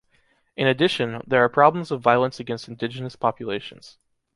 In addition, there are problems of violence against indigenous populations.